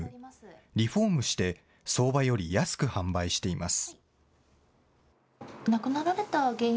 リフォームして相場より安く販売しています。